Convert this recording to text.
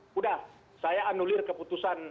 sudah saya anulir keputusan